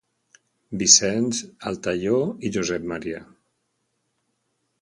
Vicenç Altaió i Josep M.